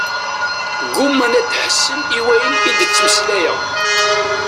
Gguman ad ḥessen i wayen i d-ttmeslayeɣ.